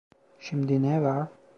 Şimdi ne var?